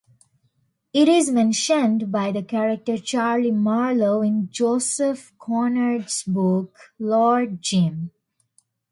It is mentioned by the character Charlie Marlow in Joseph Conrad's book "Lord Jim".